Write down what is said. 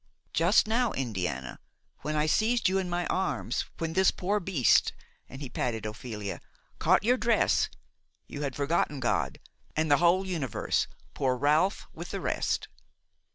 –" "Just now, Indiana, when I seized you in my arms, when this poor beast"–and he patted Ophelia–"caught your dress, you had forgotten God and the whole universe, poor Ralph with the rest."